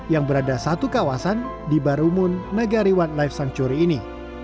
yang berada satu kawasan di barumun negariwan live sanctuary ini